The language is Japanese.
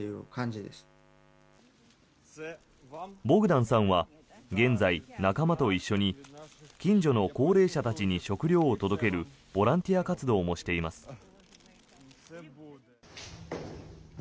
ボグダンさんは現在、仲間と一緒に近所の高齢者たちに食料を届けるボランティア活動もしています。